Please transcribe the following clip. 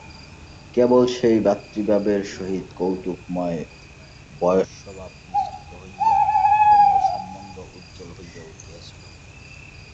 কেবল সেই ভ্রাতৃভাবের সহিত কৌতুকময় বয়স্যভাব মিশ্রিত হইয়া কোমল সম্বন্ধ উজ্জ্বল হইয়া উঠিয়াছিল।